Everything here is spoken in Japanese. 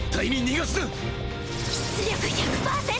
出力１００％